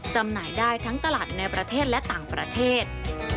จำหน่ายได้ทั้งตลาดในประเทศและต่างประเทศ